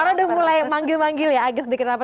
karena udah mulai manggil manggil ya agis dikira apa